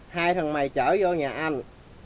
hai thằng mày chở vô nhà anh